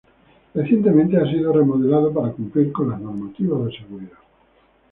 Recientemente ha sido remodelado para cumplir con las normativas de seguridad.